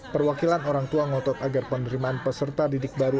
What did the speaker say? perwakilan orang tua ngotot agar penerimaan peserta didik baru